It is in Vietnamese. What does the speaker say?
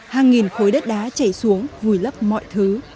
hàng nghìn khối đất đá chảy xuống vùi lấp mọi thứ